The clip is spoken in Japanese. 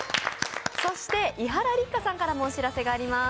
伊原六花さんからもお知らせがあります。